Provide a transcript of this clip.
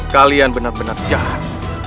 kalian benar benar jahat